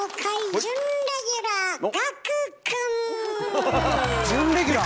準レギュラー？